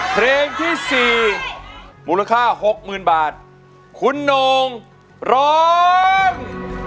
เพลงที่๔มูลค่า๖๐๐๐บาทคุณโน่งร้อง